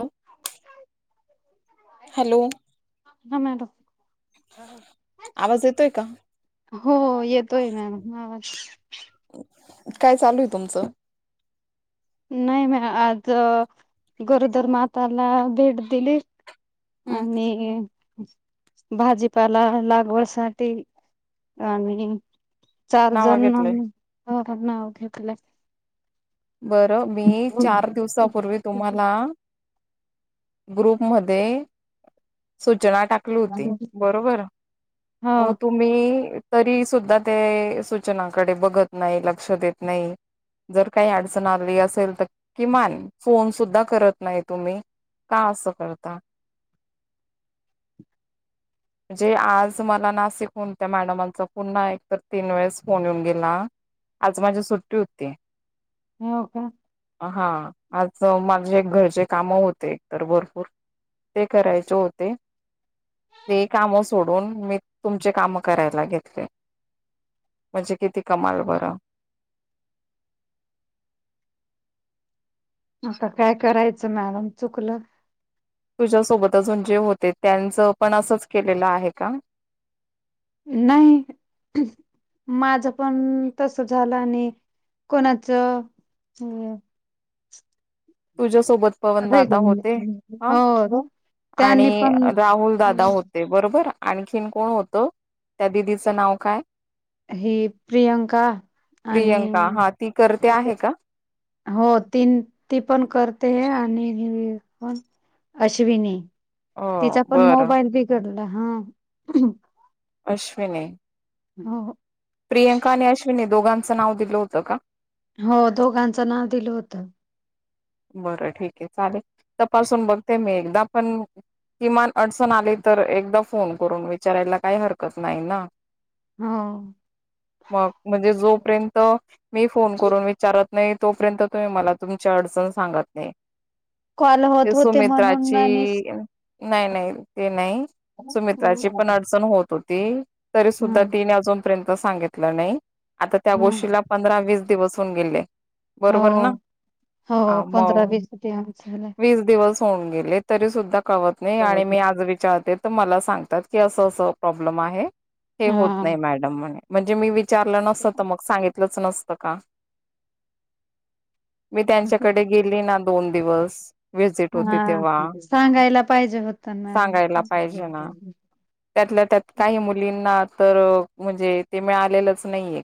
हो हम आवाज येतोय का हो येतोय मॅडम आवाज काय चालू आहे तुमचं नाही म आज गरोदर माताला भेट दिली हम्म आणि म भाजीपाला लागवडसाठी आणि चार नाव जण घेतलंय घल्या बरं मी चार दिवसापूर्वी तुम्हाला ग्रुप मधे सूचना टाकली होती बरोबर हो म तुम्ही तरी सुद्धा ते सूचनाकडे बघत नाही लक्ष देत नाही जर काही अडचण आली असेल तर किमान फोन सुद्धा करत नाही तुम्ही का असं करता म्हणजे आज मला नाशिक हून त्या मॅडमांचा पुन्हा एकत तीन वेळेस फोन येऊन गेला आज माझ्या सुट्टी होती हो का हा आज माझे घरचे काम होते एकत भरपूर ते करायचे होते ते काम सोडून मी तुमचे काम करायला घेतले म्हणजे किती कमाल बरं [inaudible] आता काय करायचं मॅडम चुकलं तुझ्यासोबत अजून जे होते त्यांचं पण असंच केलेलं आहे का नाही माझं पण तस झालं नाही कोणाचं तुझ्यासोबत पवन दादा होते हा हो आणि त्यांनी पण राहुल दादा होते बरोबर आणखीन कोण होतं त्या दिदीचं नाव काय हि प्रियांका आणि प्रियंका हा ती करते आहे का हो तीन पण करते आणि पण अश्विनी अ तिचा पण बरं मोबाईल बिघडला हा अश्विनी हो प्रियंका आणि अश्विनी दोघांचं नाव दिलं होतं का. हो दोघांचं नाव दिलं होत. बरं ठीक आहे चालेल तपासून बघते मी एकदा पण किमान अडचण आली तर एकदा फोन करून विचारायला काही हरकत नाही ना. हो मग म्हणजे जोपर्यंत मी फोन करून विचारत नाही तोपर्यंत तुम्ही मला तुमच्या अडचण सांगत नाही. कॉल ते होत होते म्हणून सुमित्राची आणि नाही नाही ते नाही सुमित्राची पण हम्म अडचण होत होती. तरी सुद्धा तिने अजूनपर्यंत सांगितलं नाही. आता त्या हम्म गोष्टीला पंधरा वीस दिवस होऊन गेले बरोबर ना. हो हो हा पंधरा मग वीस दिवस झाले वीस दिवस होऊन गेले तरी सुद्धा कळवत नाही आणि मी आज विचारते मला सांगतात कि असं असं प्रॉब्लेम आहे हे होत हा नाही मॅडम म्हणे म्हणजे मी विचा विचारलं नसत तर मग सांगितलंच नसत का मी त्यांच्या कडे गेली ना दोन दिवस व्हिजिट होती तेव्हा हा सांगायला पाहिजे होत मॅडम सांगायला पाहिजे ना त्यातल्या त्यात काही मुलींना तर म्हणजे ते मिळालेलंच नाहीय.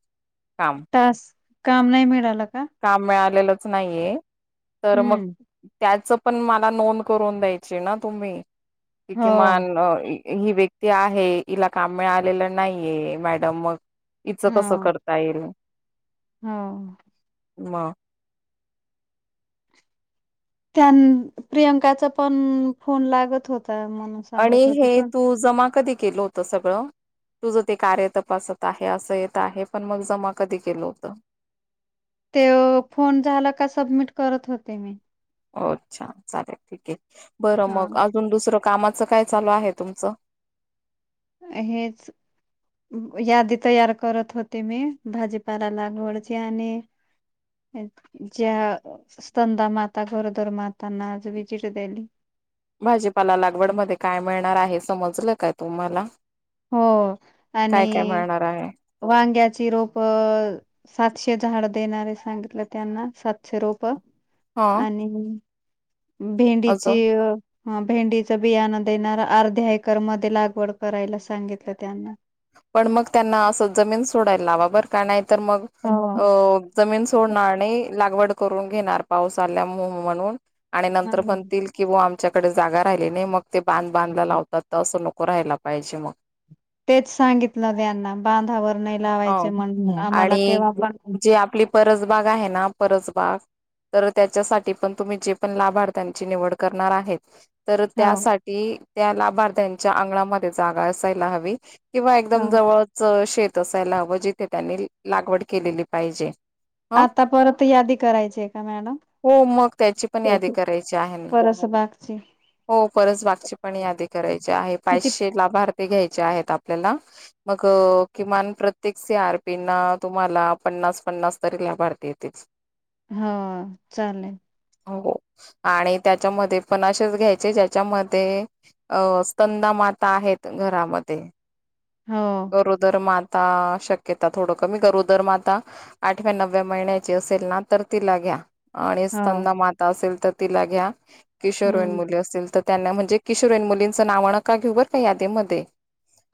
काम तास काम नाही मिळालं का काम मिळालेलं च नाहीये तर मग हम्म त्याच पण मला नोंद करून द्यायची ना तुम्ही हो किमान ही व्यक्त ती आहे इला काम मिळालेलं नाहीये मॅडम मग इचं कसं हो करता येईल. हो. म. त्या प्रियंकाचा पण फोन लागत होत आणि हे तू जमा कधी केलं होत सगळं तुझं ते कार्य तपासत आहे असं येत आहे पण मग जमा कधी केलं होत. ते फोन झाला का सबमिट करत होते मी अच्छा चालेल ठीके बरं हा मग अजून दुसरं कामात काय चालू आहे तुमचं. हेच. यादी तयार करत होती मी भाजीपाला लागवडची आणि ज्या स्कंदा माता गरोदर मातांना आज विजिट देली. भाजीपाला लागवड मध्ये काय मिळणार आहे समजलं काय तुम्हाला हो काय काय आणि मिळणार आहे वांग्या ची रोप सातशे झाड देणारे सांगितल त्यांना सातशे रोप हा आणि भेंडीची अजून अ ह भेंडीचं बियाणं देणार अर्ध्या एकर मध्ये लागवड करायला सांगितलं त्यांना पण मग त्यांना असं जमीन सोडायला लावा बर का नाही तर मग हो अ जमीन सोडणार नाही लागवड करून घेणार पाऊस आल्या म्हणून आणि हा, नंतर म्हणतील कि आम त्याच्याकडे जागा राहिली नाही मग ते बांध बांधला लावतात तर असं नको राहायला पाहिजे मग तेच सांगितलं त्यांना बांधावर नाही हो लावायचे म आम्हाला केव्हा बाग आहे ना परस बाग तर त्याच्यासाठी पण तुम्ही जे पण लाभार्थ्यांची निवड करणार आहेत तर हो त्यासाठी त्या लाभार्थ्यांच्या अंगणामध्ये जागा असायला हवी किंवा हो एकदम जवळच शेत असायला हवं जिथे त्यांनी लागवड केलेली पाहिजे. ह आता परत यादी करायची का मॅडम? हो मग त्याची पण यादी करायची आहे ना. परसबागची हो परच बागचीपणी यादी करायची आहे किती पाचशे लाभार्थी घ्यायचे आहेत आपल्याला मग, किमान प्रत्येक सी आर पी ना तुम्हाला पन्नास पन्नास तरी लाभार्थी येतील [inaudible] हां, चालेल. हो आणि त्याच्यामध्ये पण अशेच घ्यायचे ज्याच्यामध्ये अ स्तनाम माता आहेत घरामध्ये हो गरोदरमा ता शक्यता थोडं कमी करू दर माता आठव्या नवव्या महिन्याची असेल ना तर तिला घ्या. आणि हो स्तंदा माता असेल तर तिला घ्या किशोर वयन हम्म मुली असेतील तर त्यांना म्हणजे किशोरवयीन मुलींचा नाव अणका घेऊवर काय यादीमध्ये,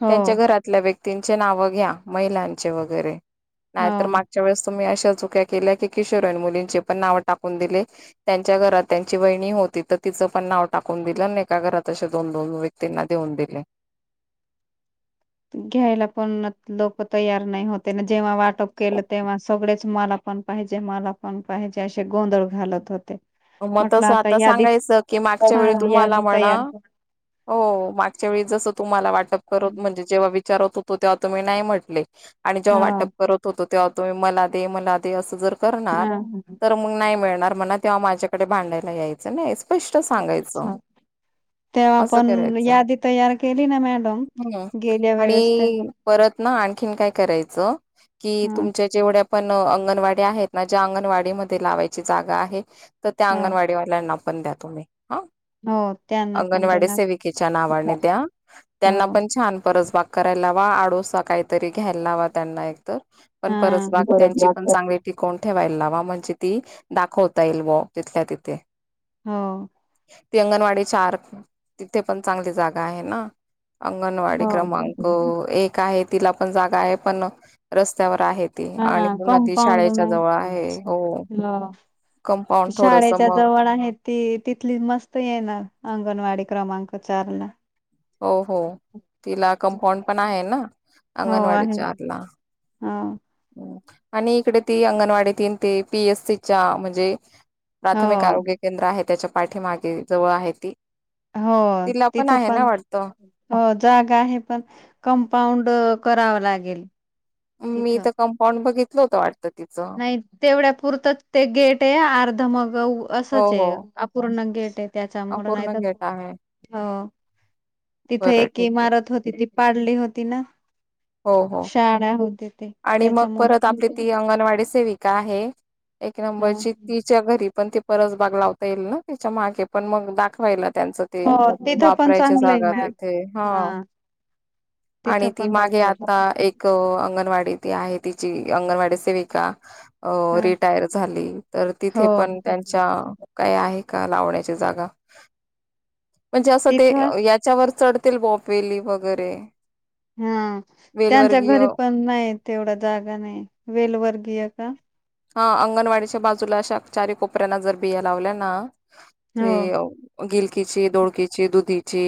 हो त्यांच्या घरात व्यक्तींची नाव घ्या, महिलांची वैगेरे, नाहीतर हो मागच्या वेळेस तुम्ही आशा चुक्या केल्या कि, किशोर वयीन मुलींची पण नाव टाकून दिले त्यांच्या घरात त्यांची वाहिनी हो तिथं तिचं पण नाव टाकून दिलं आणि एका घरात अशे दोन-दोन व्यक्तींना देऊन दिले. [inaudible] घ्यायला पण नत लोकं तयार नाही होते ना जेव्हा वाटप केलं तेव्हा सगळेच मला पण पाहिजे, मला पण पाहिजे असे गोंधळ घालत होते. मग म्हटलं तसं आता यादीत सांगायचं की मागच्या हा वेळी तुम्हाला यादी म्हणा तयार हो मागच्या वेळीस जसं तुम्हाला वाटप करत म्हणजे जेव्हा विचारत होतो तेव्हा तुम्ही नाही म्हटले आणि जेव्हा वाटप हा करत होतो तेव्हा तुम्ही मला दे, मला दे अस जर करणार, हा. तर मग नाही मिळणार म्हणा तेव्हा माझ्या कडे भांडायला यायचं नाही स्पष्ट सांगायचं. तेव्हा असं पण करायचं, यादी तयार केली ना मॅडम हम्म गेल्या वेळेस तेव्हा आणि परत ना आणखीन काय करायचं की ह तुमच्या जेवढ्या पण अंगणवाडी आहेत ना, ज्या अंगणवाडी मध्ये लावायची जागा आहे तर त्या हो अंगणवाडीवाल्यांना पण द्या तुम्ही. हा हो. त्यांना पण अंगणवाडी देणार सेविकेच्या नावाने हो द्या, त्यांना पण छान परस बा करायला लावा, आडोसा काहीतरी घ्यायला लावा त्यांना एकतर पण हा परसबाग त्यांची पण चांगली टिकवून ठेवायला लावा म्हणजे ती दाखवता येईल ब. तिथल्या तिथे हो. ती अंगणवाडी चार तिथे पण चांगली जागा आहे ना. अंगणवाडी हो क्रमांक एक आहे, तिला पण जागा आहे पण, रस्त्याव र आहे ती हा आणि पुन्हा ती कंपाऊंड शाळेच्या नाही जवळ आहे, हो कंपाउंड शाळेच्या जवळ आहेत ती, तिथली मस्त येणार ना अंगणवाडी. क्रमाांक चार ला हो, हो, तिला कंपाऊंड पण आहे ना, अंगणवाडी चारला. हां. आणि इकडे ती अंगणवाडी तीन ते पी एस सी च्या म्हणजे प्राथमिक हो आरोग्य केंद्र आहे, त्याच्या पाठीमागे जवळ आहे ती. हो तिला तिथं आहे ना पण वाटतं हो. जागा आहे पण कंपाऊंड, कराव लागेल. मी तिथं तर कंपाऊंड बघितल होत वाटतं ती नाही तेवढ्या पपुरतं ते गेट आहे अर्ध मग उ हो असंच हो आहे अपूर ना गेट आहेत. त्याचा मूड नाही अपूर्ण तर गेट आहे आं तिथे बरं एक ठीक आहे इमारत होती ती पाडली होती ना, हो हो शाळा होती ते आणि मग त्याच्यामुळे परत आपली ती अंगणवाडी सेविका आहे एक नंबरची तिच्या घरी पण परत बाग लावता येईल ना त्यािच्या मागे पण मग दाखवायला त्यांचा ते हो तिथं पण वापरायच्या चांगलंय जागा मॅम तिथे हा. आणि तिथं ती पण मागे आता दाखवत एक अंगणवाडी ते आहे तिची अंगणवाडी सेविका अ रिटायर झाली, तर हो तिथे पण त्यांच्या काय आहे का लावण्याची जागा म्हणजे असं ते तिथं याच्यावर चढतील बॉप वेली वगैरे. हा त्यांच्या घरी वेलवर्गीय पण नाही तेवढा जागा नाही. वेलवर्गीय का? हा अंगणवाडीच्या बाजूला अशा चारी कोपऱ्यांना जर बिया लावल्या ना हो ते गिलकीची, दोडकीची, दुधीची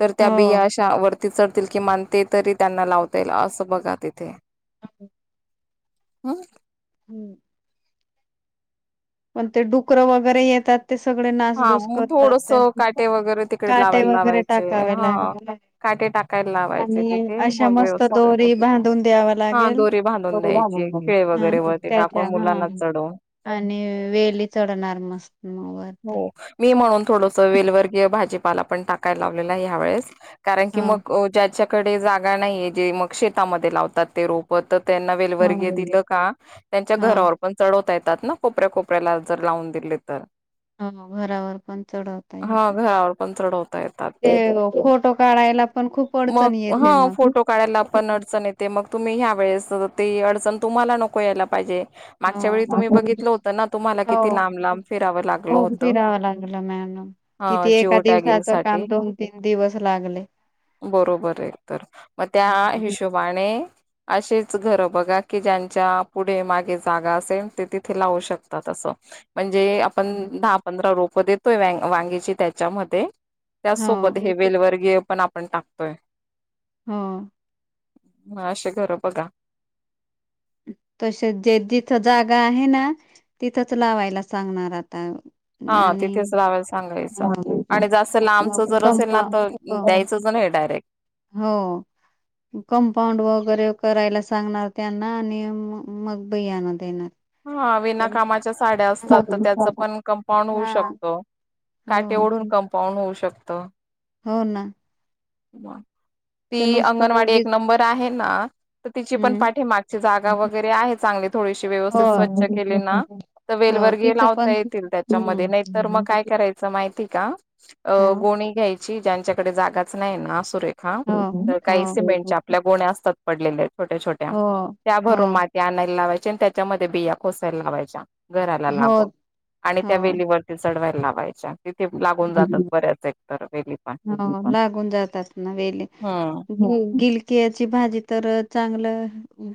तर त्या हो बिया अशा वरती चढतील किमान ते तरी त्यांना लावता येईल असं बघा तिथे. [unintelligible] हम्म. हं. मग ते डुकरं वगैरे येतात ते सगळे हा नासदूस मग करतात. थोडस काटे त्यात वगैरे तिकडे काटे लावायला वगैरे लावायचे टाकावे हा. लागे काटे टाकायला लावायचे आणि तिथे अशा मग मस्त व्यवस्थित होईल. दोरी बांधून द्यावा हा लागेल. दोरी बांधून द्यायची खिळे वगैरे हा वरती त्याच्या टाकून मुलांना हं चढवून. आणि वेली चढणार मस्त मग वर. हो मी म्हणून थोडसं वेलवर्गीय भाजीपाला पण टाकायला लावलेला आहे ह्यावेेळेस. कारण की हो मग ज्याच्याकडे जागा नाहीये, जे मग शेतामध्ये लावतात ते रोप तर त्यांना हो वेलवर्गी बरोबर. दिलं का त्यांच्या हो घरावर पण चढवतायत. ना कोपऱ्या कोपऱ्याला जर लावून दिले तर. हो घरावर पण चढवता हा येतात. घरावर पण चढवता येतात ते, काढायला पण खूप मग अडचण येते हं मग. फोटो काढायला पण अडचण येते. मग तुम्ही ह्या वेळेस ती अडचण तुम्हाला नको यायला पाहिजे मागच्या वेळी तुम्ही हो. बघितलं होत ना, तुम्हाला किती हो लांब लांब फिरावं लागलं होत. खूप फिरावं लागलं मॅ [unintelligible] किती एका जिओ टॅगिंग दिवसाच साठी काम दोन तीन दिवस लागले. बरोबर एक तर मग त्या हिशोबाने असेच घरं बघा की ज्यांच्या पुढे मागे जागा असेल, ते तिथे लावू शकतात असं म्हण जे आपण दहा पंधरा रोप देतोय व वांगीची त्याच्यामध्ये त्यासोबत हो हे वेलवरर्गीय पण आपण टाकतोय. हा. ह असे घरं बघा. तसे जे जिथं जागा आहे ना तिथंच लावायला सांगणार आता. हा आणि तिथेच लावायला सांगायचं आणि जास्त लांबच जर असेल ना कंपा तर द्यायचं नाही. डायरेक्ट. हो कंपाऊंड वगैरे करायला सांगणार त्यांना आणि म मग बियान देणार. हा विनाकामाच्या साड्या असतात, तर त्याच पण कंपाऊंड होऊ हा शकतो. हो काटे ओढून कंपाऊंड होऊ शकत. हो ना. बर. ते ती नुसतं अंगणवाडी एक उगीच नंबर आहे ना, तर तिची पण हम्म पाठीमागची जागा वगैरे आहे चांगली थोडी शी हो व्यवस्थित स्वच्छ केले ना तर हो वेलवर्गी तिचं लावता पण येतील त्याच्यामध्ये नाही तर मग हम्म काय करायचं माहितेय का? हो गोणी घ्यायची ज्यांच्याकडे जागाच नाही ना सुरे हा हो तर हो काही हो सिमेंटच्या आपल्या गोण्या असतात पडलेल्या आहेत छोट्या छोट्या हो त्या हो भरून माती आणायला लावायच्या आणि त्याच्यामध्ये बिया कोसायला लावायच्या. घराला हो लागून आणि त्या हो वेलीवरती चढवायला लावायच्या. तिथे लागून जातात बऱ्याच एकतर वेली पण. होऊन जातात ना वेली हम्म गिलकीयाची भाजी तर चा चांगलं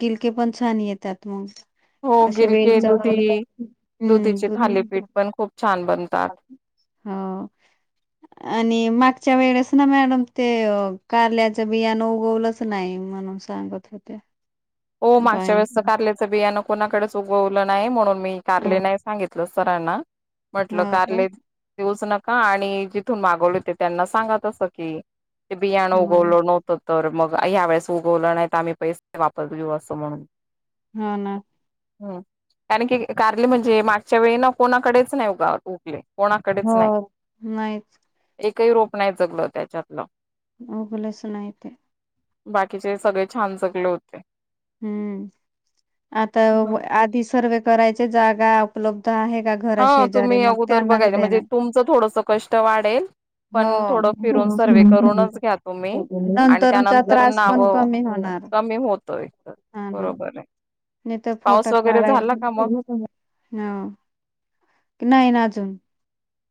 गिलके पण छान येतात मग. हो अे वेल गिलके व दुधी हम्म दुधीचे त थालीपीठ पण खूप छान बनतात. हो आणि मागच्या वेळच ना मॅडम ते कारल्याच्या बियानं उगवलंच नाही म्हणून सांगत होते हो मागच्या बाय वेळेस कारलेचं बियानं कोणाकडेच उगवलं नाही म्हणून मी कारले हो नाही सांगितलं सरणा म्हटलं का कारारले देऊच नका आणि जिथून मागवले होते त्यांना सांगत तसं की ते बियाणं हो उगवलं नव्हत तर मग ह्या वेळेस उगवलं नाही तर आम्ही पैसे वापर वा असं म्हणून हा ना हम कारन की कारले म्हणजे मागच्या वेळी ना कोणाकडेच नाही उगा उगले कोणाकडेच हो नाहीच काही रोप नाही जगलं त्याच्यातलं उगला सु नायेत बाकीचे सगळे छान जगले होते हम्म आता बर आधी सर्वे करायचे जागा उपलब्ध आहे का घरा हा शेजारी तुम्ही मग अगोदर त्यांनाच बघायला म्हणजे देणार तुमचं थोडस कष्ट वाढेल हो पण थोडं फिरून सर्वे करूनच घ्या तुम्ही आणि नंतरचा त्यानंतर त्रास नाव पण कमी होणार कमी होतोय तर हा ना बरोबर आहे नाही तर पाऊस फोटा वगैरे काढायच झाला का मग ह नाही ना अजून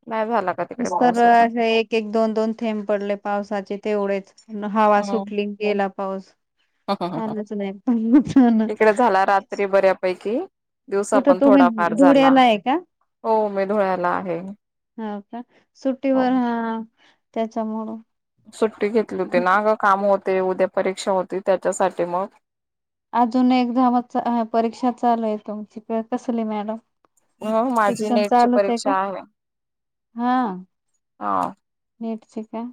नाही झाला का तिकडे पाऊस अजून तर एक एक दोन दोन थेंब पडले पावसाचे तेवढेच हवा हम्म सुटली गेला पाऊस हा नच नाही पण ना इकडे झाला रात्री बऱ्यापैकी दिवसा कुठं पण तुम्ही थोडाफार झाला धुळ्याला आहे का हो मी धुळ्याला आहे हा हो सुट्टीवर ह त्याच्यामुळं सुट्टी घेतली होती ना ग काम होते उद्या परीक्षा होती त्याच्यासाठी मग अजून एकदा म परीक्षा चालू आहे तुमची कसली मॅडम हो माझी शिक्षण नेटची चालूच का? परीक्षा आहे हा हा नीट ची का